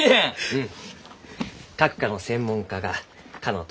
うん。